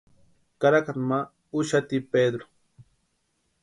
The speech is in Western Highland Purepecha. Karakata ma úxati Pedru.